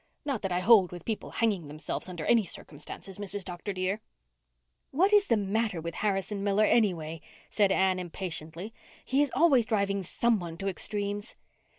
Not that I hold with people hanging themselves under any circumstances, Mrs. Dr. dear." "What is the matter with Harrison Miller, anyway?" said Anne impatiently. "He is always driving some one to extremes."